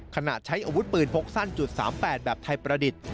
ใช้อาวุธปืนพกสั้น๓๘แบบไทยประดิษฐ์